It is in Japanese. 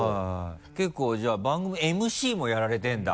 結構じゃあ番組ＭＣもやられてるんだ。